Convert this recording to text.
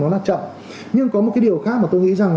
nó là chậm nhưng có một cái điều khác mà tôi nghĩ rằng